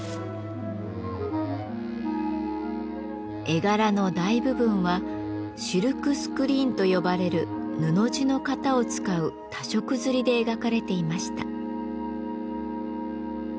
絵柄の大部分はシルクスクリーンと呼ばれる布地の型を使う多色刷りで描かれていました。